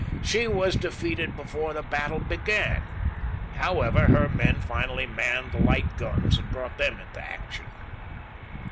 She was defeated before the battle began. However, her men finally manned the light guns and brought them into action.